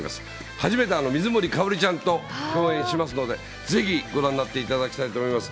初めて水森かおりちゃんと共演しますので、ぜひ、ご覧になっていただきたいと思います。